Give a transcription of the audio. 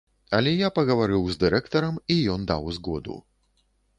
Але я пагаварыў з дырэктарам і ён даў згоду.